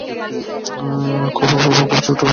খুব বাবু, খুব চুবুট খায়।